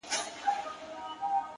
o ما وېل سفر کومه ځمه او بیا نه راځمه ـ